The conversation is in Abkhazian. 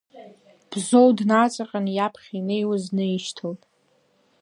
Бзоу днаҵаҟьан иаԥхьа инеиуаз днаишьҭалт.